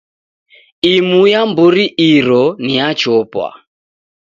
Imu ya mburi iro ni ya chopwa.